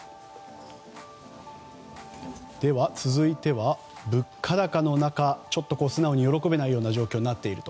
では、続いては物価高の中ちょっと素直に喜べないような状況になっていると。